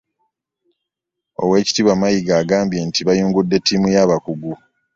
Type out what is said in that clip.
Oweekitiibwa Mayiga agambye nti bayungudde ttiimu y'abakugu